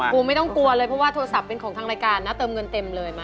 ไม่ต้องกลัวเลยเพราะว่าโทรศัพท์เป็นของทางรายการนะเติมเงินเต็มเลยมา